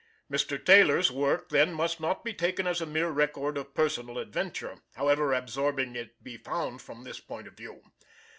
Mr. Taylor's work then must not be taken as a mere record of personal adventure, however absorbing it be found from this point of view.